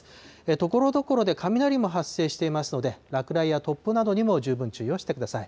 ところどころで雷も発生していますので、落雷や突風などにも十分注意をしてください。